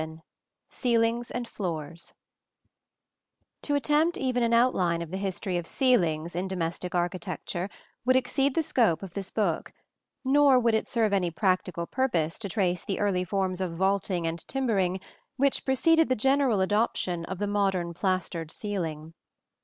VII CEILINGS AND FLOORS To attempt even an outline of the history of ceilings in domestic architecture would exceed the scope of this book; nor would it serve any practical purpose to trace the early forms of vaulting and timbering which preceded the general adoption of the modern plastered ceiling.